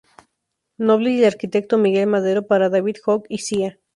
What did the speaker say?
Noble y el arquitecto Miguel Madero para "David Hogg y Cía.